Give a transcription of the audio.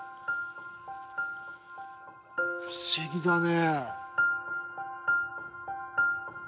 不思議だね。